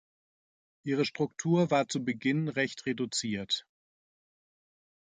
Ihre Struktur war zu Beginn recht reduziert.